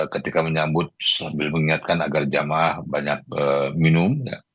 ketika menyambut sambil mengingatkan agar jamaah banyak minum